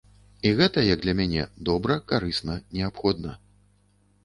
І гэта, як для мяне, добра, карысна, неабходна.